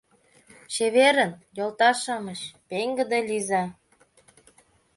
Чеверын, йолташ-шамыч, пеҥгыде лийза!